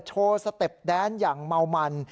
โชว์สเต็ปแดนอย่างเมามัน